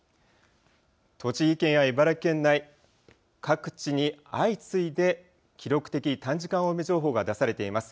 栃木県や茨城県内、各地に相次いで記録的短時間大雨情報が出されています。